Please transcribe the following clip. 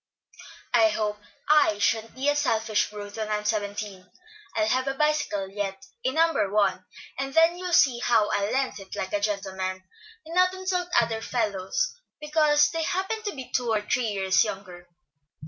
"I hope I sha'n't be a selfish brute when I'm seventeen. I'll have a bicycle yet, A, No. 1, and then you'll see how I'll lend it, like a gentleman, and not insult other fellows because they happen to be two or three years younger."